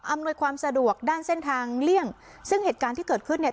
อำนวยความสะดวกทางเรื่องซึ่งเหตุการณ์ที่เกิดขึ้นเนี้ย